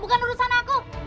bukan urusan aku